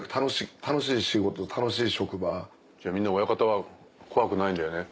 じゃあみんな親方は怖くないんだよね？